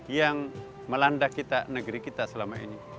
yang melanda kita negeri kita selama ini